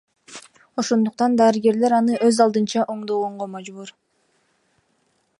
Ошондуктан дарыгерлер аны өз алдынча оңдогонго мажбур.